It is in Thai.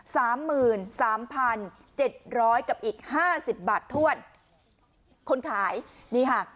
สามหมื่นสามพันเจ็ดร้อยกับอีกห้าสิบบาทถ้วนคนขายนี่ค่ะ